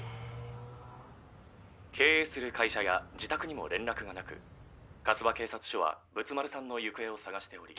経営する会社や自宅にも連絡がなく粕場警察署は仏丸さんの行方を捜しており。